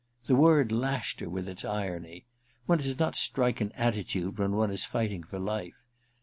The word lashed her with its irony — one does not strike an attitude when one is fighting for life